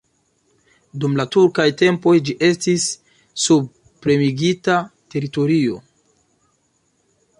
Dum la turkaj tempoj ĝi estis subpremigita teritorio.